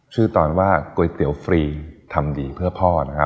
ชื่อตอนว่าก๋วยเตี๋ยวฟรีทำดีเพื่อพ่อ